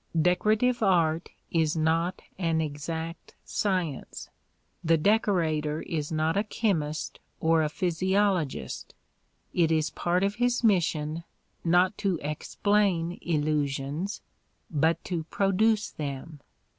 Decorative art is not an exact science. The decorator is not a chemist or a physiologist; it is part of his mission, not to explain illusions, but to produce them.